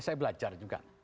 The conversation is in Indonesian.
saya belajar juga